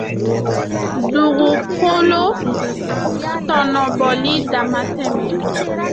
• Dugukolo tɔnɔbɔli danmatɛmɛ;